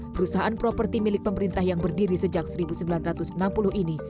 perusahaan properti milik pemerintah yang berdiri sejak seribu sembilan ratus enam puluh ini